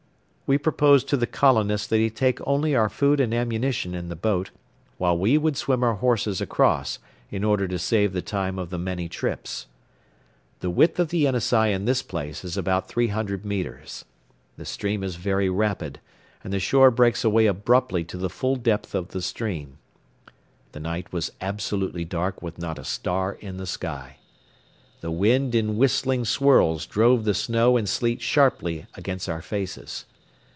We proposed to the colonist that he take only our food and ammunition in the boat, while we would swim our horses across, in order to save the time of the many trips. The width of the Yenisei in this place is about three hundred metres. The stream is very rapid and the shore breaks away abruptly to the full depth of the stream. The night was absolutely dark with not a star in the sky. The wind in whistling swirls drove the snow and sleet sharply against our faces.